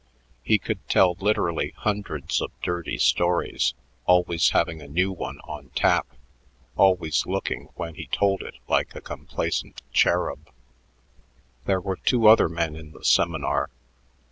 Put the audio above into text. He could tell literally hundreds of dirty stories, always having a new one on tap, always looking when he told it like a complacent cherub. There were two other men in the seminar.